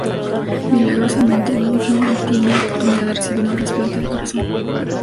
Milagrosamente Do-hyun tiene la oportunidad de recibir un trasplante de corazón.